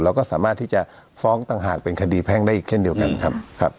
เราก็สามารถที่จะฟ้องต่างหากเป็นคดีแพ่งได้อีกเช่นเดียวกันครับ